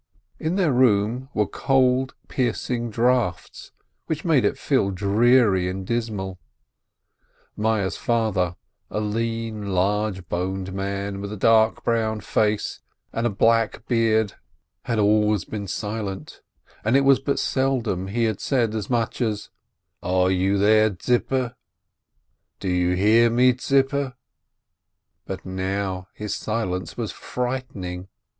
In their room were cold, piercing draughts, which made it feel dreary and dismal. Meyer's father, a lean, large boned man, with a dark, brown face and black beard, had always been silent, and it was but seldom he said so much as "Are you there, Tzippe? Do you hear me, Tzippe?" But now his silence was frighten ing